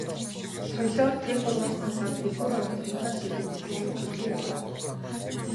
Соёлоо тэр гурваас салаад дэлгүүр ороод харихаар шийдэн их дэлгүүр зүглэн явлаа.